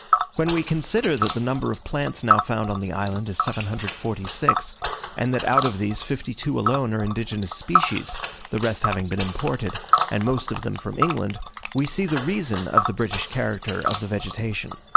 When we consider that the number of plants now found on the island is 746, and that out of these fifty two alone are indigenous species, the rest having been imported, and most of them from England, we see the reason of the British character of the vegetation.